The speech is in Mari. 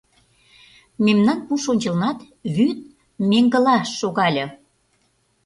Мемнан пуш ончылнат вӱд меҥгыла шогале.